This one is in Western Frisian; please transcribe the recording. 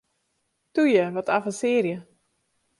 Toe ju, wat avensearje!